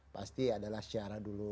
pasti adalah sejarah dulu